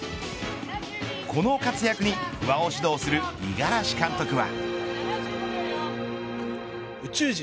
この活躍に不破を指導する五十嵐監督は。